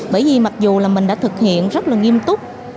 bởi vì mặc dù là mình đã thực hiện rất là nghiêm túc